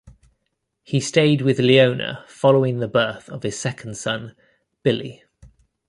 He stayed with Leona following the birth of his second son, Billy.